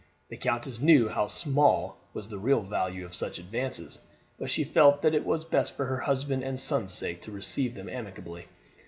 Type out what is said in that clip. The countess knew how small was the real value of such advances, but she felt that it was best for her husband and son's sake to receive them amicably.